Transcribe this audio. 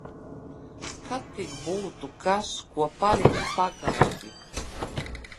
Kad tik būtu kas ko palikt pagalvī.